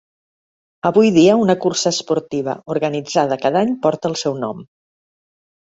Avui dia, una cursa esportiva, organitzada cada any, porta el seu nom.